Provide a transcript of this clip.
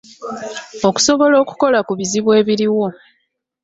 Okusobola okukola ku bizibu ebiriwo.